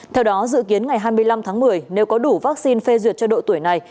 theo đó dự kiến ngày hai mươi năm tháng một mươi nếu có đủ vaccine phê duyệt cho độ tuổi này